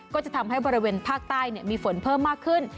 ก็จะทำให้บริเวณภาคใต้มีฝนเพิ่มมากขึ้น